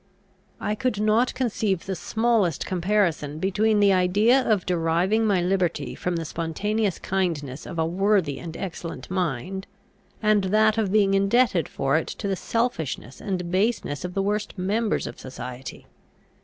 I could not conceive the smallest comparison between the idea of deriving my liberty from the spontaneous kindness of a worthy and excellent mind, and that of being indebted for it to the selfishness and baseness of the worst members of society.